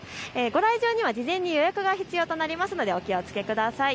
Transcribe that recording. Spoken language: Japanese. ご来場には事前に予約が必要となるのでお気をつけください。